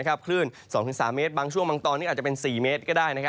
คลื่น๒๓เมตรบางช่วงบางตอนนี้อาจจะเป็น๔เมตรก็ได้